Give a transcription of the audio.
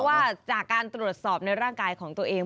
ว่าจากการตรวจสอบในร่างกายของตัวเอง